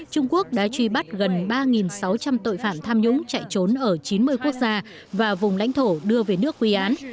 trung quốc đã truy bắt gần ba sáu trăm linh tội phạm tham nhũng chạy trốn ở chín mươi quốc gia và vùng lãnh thổ đưa về nước quy án